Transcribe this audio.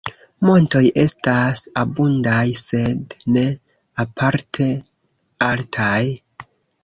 Montoj estas abundaj sed ne aparte altaj.